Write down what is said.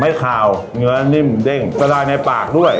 ไม่ขาวเนื้อนิ่มเด้งกระดายในปากด้วย